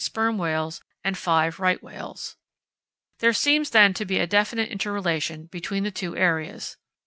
sperm whales, and 5 right whales. There seems then to be a definite interrelation between the two areas.